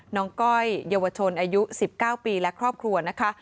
ก้อยเยาวชนอายุ๑๙ปีและครอบครัวนะคะ